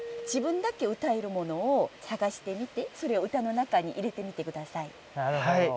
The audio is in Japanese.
自分だけうたえるものを探してみてそれを歌の中に入れてみて下さい。